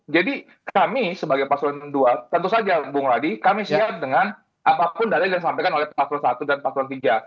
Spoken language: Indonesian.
jadi kami sebagai pak sloan ii tentu saja bung radi kami siap dengan apapun data yang disampaikan oleh pak sloan i dan pak sloan iii